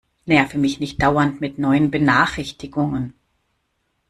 Nerve mich nicht dauernd mit neuen Benachrichtigungen!